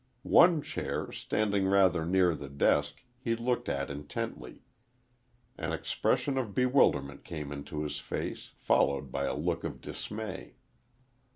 One chair, standing rather near the desk, he looked at intently. An expression of bewilderment came into his face, followed by a look of dismay.